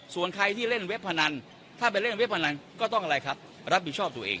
ส่วนใครที่เล่นเว็บพนันถ้าไปเล่นเว็บพนันก็ต้องอะไรครับรับผิดชอบตัวเอง